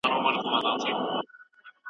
که ژبه وپالل سي، هویت ساتل کېږي.